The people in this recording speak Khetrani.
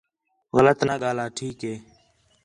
غلط نہ ڳاہلا ٹھیک ہِے